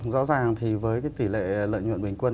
rõ ràng thì với cái tỷ lệ lợi nhuận bình quân